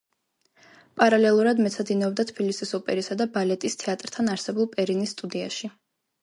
პარალელურად მეცადინეობდა თბილისის ოპერისა და ბალეტის თეატრთან არსებულ პერინის სტუდიაში.